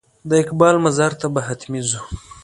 د اقبال مزار ته به حتمي ځو.